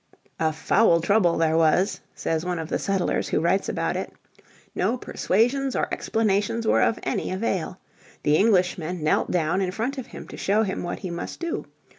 "A foul trouble there was," says one of the settlers who writes about it. No persuasions or explanations were of any avail. The Englishmen knelt down in front of him to show him what he must do.